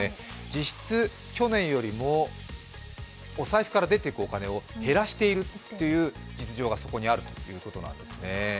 実質去年よりもお財布から出ていくお金を減らしているという実情がそこにあるということなんですね。